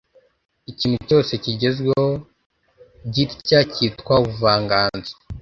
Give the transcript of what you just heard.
Ikintu cyose kigezweho gitya kitwa ubuvanganzo